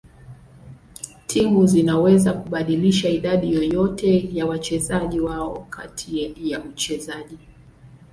Timu zinaweza kubadilisha idadi yoyote ya wachezaji wao kati ya uchezaji.